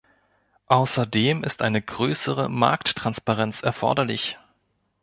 Außerdem ist eine größere Marktransparenz erforderlich.